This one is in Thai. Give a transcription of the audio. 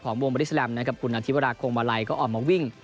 วงบริสแลมนะครับคุณอธิวราคงมาลัยก็ออกมาวิ่ง